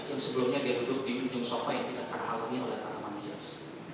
yang sebelumnya dia duduk di ujung sofa yang tidak terhalangi oleh tanaman hias